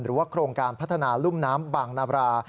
หรือว่าโครงการพัฒนารุ่มน้ำบางนาบรา